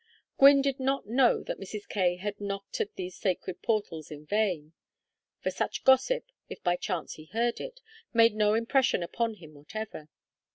Gwynne did not know that Mrs. Kaye had knocked at these sacred portals in vain; for such gossip, if by chance he heard it, made no impression upon him whatever.